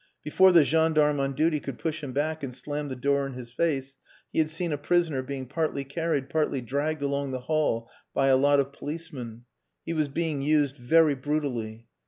Before the gendarme on duty could push him back and slam the door in his face, he had seen a prisoner being partly carried, partly dragged along the hall by a lot of policemen. He was being used very brutally.